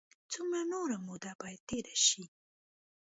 څومره نوره موده باید تېره شي.